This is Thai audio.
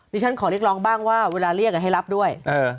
ฉันขอเรียกร้องบ้างว่าเวลาเรียกให้รับด้วย